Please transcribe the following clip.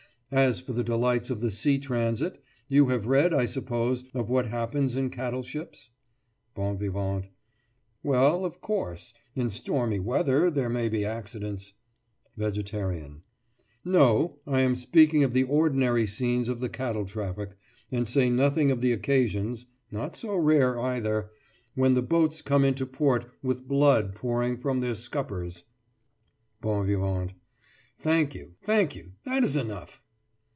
As for the delights of the sea transit, you have read, I suppose, of what happens in cattle ships? BON VIVANT: Well, of course, in stormy weather there may be accidents—— VEGETARIAN: No, I am speaking of the ordinary scenes of the cattle traffic, and say nothing of the occasions (not so rare, either) when the boats come into port with blood pouring from their scuppers—— BON VIVANT: Thank you, thank you! that is enough!